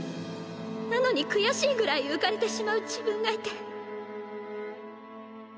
なのに悔しいぐらい浮かれてしまう自分がいて。